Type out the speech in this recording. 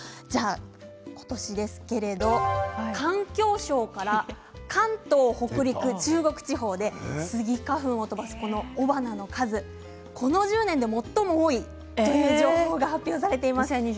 今年ですけれど環境省から関東、北陸、中国地方でスギ花粉を飛ばす雄花の数がこの１０年で最も多いという情報が発表されています。